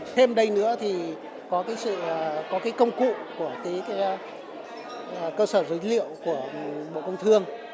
thêm đây nữa thì có công cụ của cơ sở dữ liệu của bộ công thương